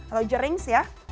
atau jerings ya